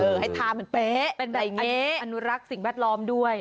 เออให้ทาเหมือนเป๊ะเป็นแบบอย่างนี้อนุรักษ์สิ่งแวดล้อมด้วย